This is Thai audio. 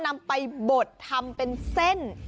นำไปบดทำเป็นเส้น